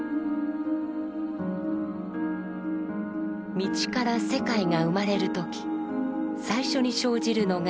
「道」から世界が生まれる時最初に生じるのが「一」。